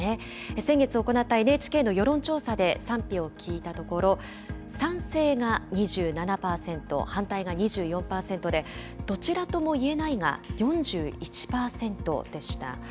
先月行ったＮＨＫの世論調査で賛否を聞いたところ、賛成が２７％、反対が２４％で、どちらともいえないが４１％でした。